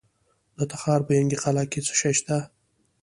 د تخار په ینګي قلعه کې څه شی شته؟